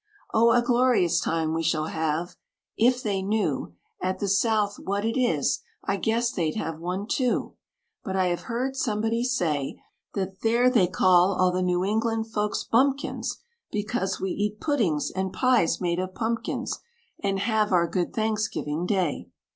"Oh! a glorious time we shall have! If they knew At the south, what it is, I guess they'd have one too; But I have heard somebody say, That, there, they call all the New England folks Bumpkins, Because we eat puddings, and pies made of pumpkins, And have our good Thanksgiving day."